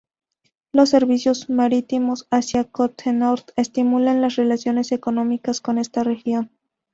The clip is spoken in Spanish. Los servicios marítimos hacia Côte-Nord estimulan las relaciones económicas con esta región.